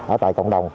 ở tại cộng đồng